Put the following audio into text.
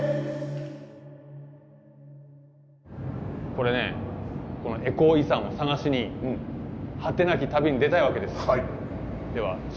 これねこのエコー遺産を探しに果てなき旅に出たいわけです。